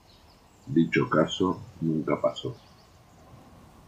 Dicho caso nunca pasó.